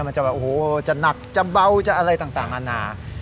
มันจะแบบโอ้โหจะหนักจะเบาจะอะไรต่างอาณา